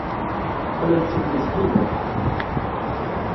Qqlen-d seg tmesgida.